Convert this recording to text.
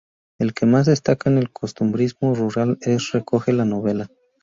El que más destaca es el costumbrismo rural que recoge la novela.